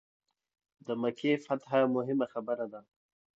د مکې فتح موهمه خبره ده.